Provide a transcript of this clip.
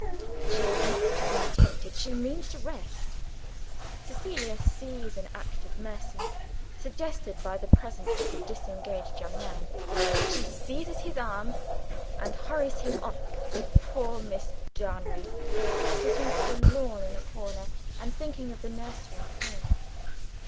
She is not to be tempted; she means to rest. Cecilia sees an act of mercy, suggested by the presence of the disengaged young man. She seizes his arm, and hurries him off to poor Miss Darnaway; sitting forlorn in a corner, and thinking of the nursery at home.